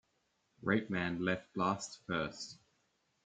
Rapeman left Blast First!